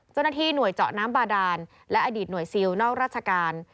เจ้าหน้าที่หน่วยเจาะน้ำบาดานและอดีตหน่วยซิลนอกราชการ